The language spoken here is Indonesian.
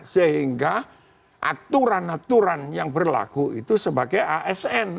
sehingga aturan aturan yang berlaku itu sebagai asn